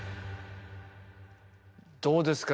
どうですか？